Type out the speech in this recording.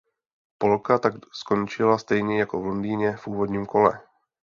Polka tak skončila stejně jako v Londýně v úvodním kole.